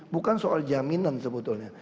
bukan soal jaminan sebetulnya